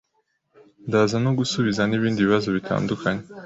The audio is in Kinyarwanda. Ndaza no gusubiza n’ibindi bibazo bitandukanye